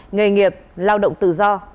nghề nghiệp lao động tự do